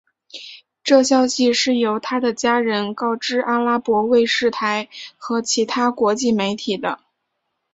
这消息是由他的家人告知阿拉伯卫视台和其他国际媒体的。